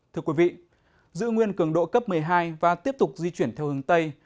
thưa quý vị giữ nguyên cường độ cấp một mươi hai và tiếp tục di chuyển theo hướng tây